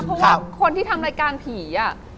เพราะว่าคนที่ทำรายการผี